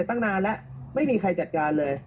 ตั้งนานแล้วไม่มีใครจัดการเลย